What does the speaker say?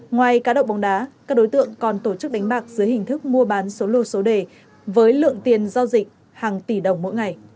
ngoài cá độ bóng đá các đối tượng còn tổ chức đánh bạc dưới hình thức mua bán số lô số đề với lượng tiền giao dịch hàng tỷ đồng mỗi ngày